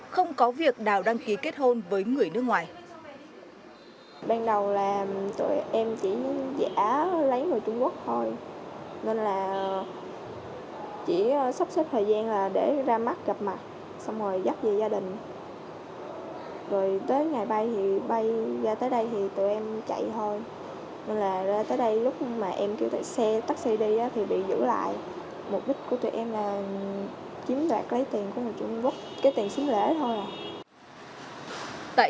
không có việc nào đăng ký kết hôn với người nước ngoài